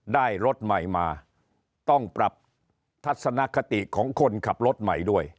ได้รถใหม่มาต้องปรับทัศนคติของคนขับรถใหม่ด้วย